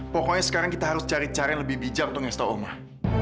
pokoknya sekarang kita harus cari cari yang lebih bijak untuk ngasih tahu umar